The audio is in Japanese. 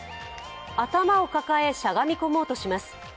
頭を抱え、しゃがみ込もうとします。